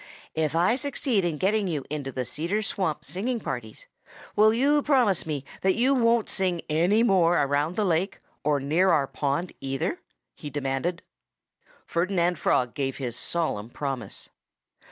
"If I succeed in getting you into the Cedar Swamp singing parties will you promise me that you won't sing any more around the lake, or near our pond, either?" he demanded. Ferdinand Frog gave his solemn promise.